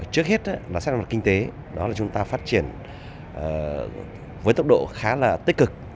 trước hết là xác định mặt kinh tế đó là chúng ta phát triển với tốc độ khá là tích cực